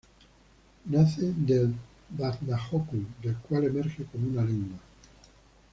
Nace del Vatnajökull, del cual emerge como una lengua.